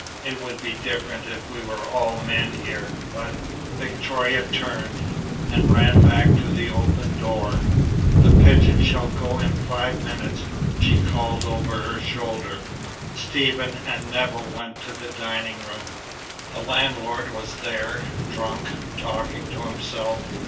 "It would be different if we were all men here, but " Victoria turned, and ran back to the open door. "The pigeon shall go in five minutes," she called over her shoulder. Stephen and Nevill went to the dining room. The landlord was there, drunk, talking to himself.